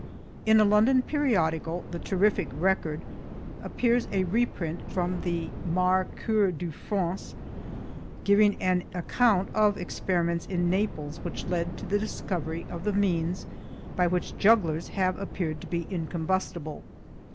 In a London periodical, The Terrific Record, appears a reprint from the Mercure de France, giving an account of experiments in Naples which led to the discovery of the means by which jugglers have appeared to be incombustible.